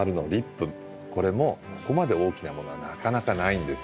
これもここまで大きなものはなかなかないんです。